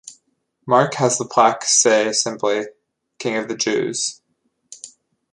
Mark has the plaque say simply, King of the Jews.